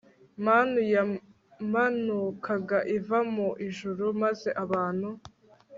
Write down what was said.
Manu yamanukaga iva mu ijuru maze abantu